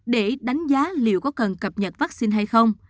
để đánh giá liệu có cần cập nhật vaccine hay không